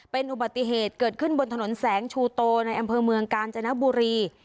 เป็นอุบัติเหตุเกิดขึ้นบนถนนแสงชูโตในอำเภอเมืองกาญจนบุรี